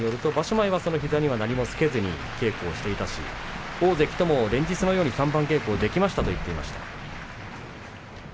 前は膝には何もつけずに稽古をしていたし大関とも連日のように三番稽古ができましたと言っていました。